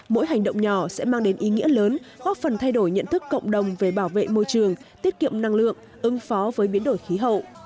mỗi hành động nhỏ sẽ mang đến ý nghĩa lớn góp phần thay đổi nhận thức cộng đồng về bảo vệ môi trường tiết kiệm năng lượng ứng phó với biến đổi khí hậu